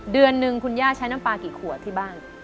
เดือนหนึ่งคุณย่าใช้น้ำปลากี่ขวดที่บ้าน